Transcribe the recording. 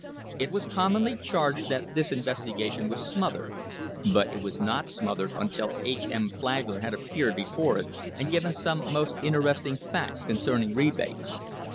It was com monly charged that this investigation was smothered, but it was not smothered until H. M. Flagler had appeared before it and given some most interesting facts concerning rebates.